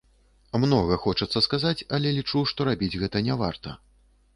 Многа хочацца сказаць, але лічу, што рабіць гэта не варта.